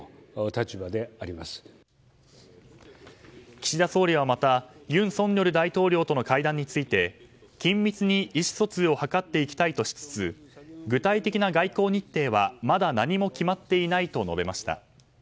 岸田総理はまた尹錫悦大統領との会談について緊密に意思疎通を図っていきたいとしつつ具体的な外交日程はまだ何も決まっていないと述べました。